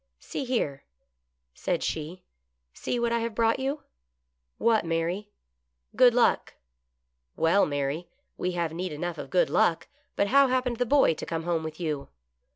" See here," said she, " see what I have brought you." " What, Mary ?"" Good Luck." " Well, Mary, we have need enough of good luck, but how happened the boy to come home with you